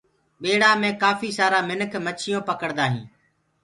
ٻيڙآ مي ڪآڦيٚ سآرا ميِنک مڇيون پڪڙدآ هِينٚ